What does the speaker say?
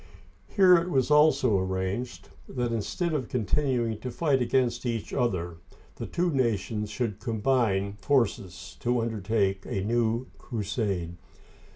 Here it was also arranged that, instead of continuing to fight against each other, the two nations should combine forces to undertake a new crusade.